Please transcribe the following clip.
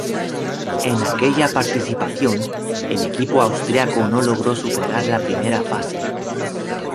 En aquella participación el equipo austriaco no logró superar la primera fase.